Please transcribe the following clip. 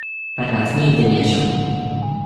"„Pernat nigdy nie żył!"